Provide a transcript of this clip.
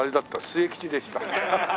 末吉でした。